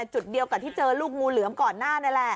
จุดเดียวกับที่เจอลูกงูเหลือมก่อนหน้านี่แหละ